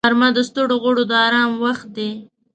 غرمه د ستړو غړو د آرام وخت دی